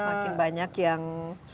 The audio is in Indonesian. semakin banyak yang akses